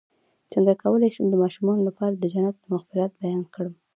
څنګه کولی شم د ماشومانو لپاره د جنت د مغفرت بیان کړم